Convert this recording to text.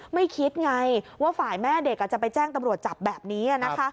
ไม่คิดไงว่าฝ่ายแม่เด็กจะไปแจ้งตำรวจจับแบบนี้นะคะ